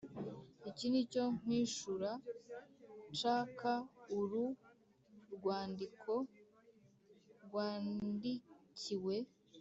iki nicyo nkwishura. (ck)uru rwandiko rwandikiwe.